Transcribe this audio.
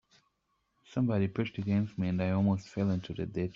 Somebody pushed against me, and I almost fell into the ditch.